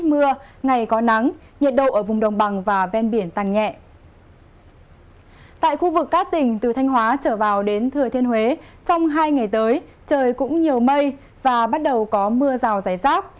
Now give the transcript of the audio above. tại khu vực các tỉnh từ thanh hóa trở vào đến thừa thiên huế trong hai ngày tới trời cũng nhiều mây và bắt đầu có mưa rào rải rác